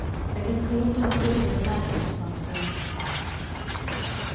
I can claim to have given the matter some attention.